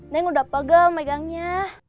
neng udah pegel megangnya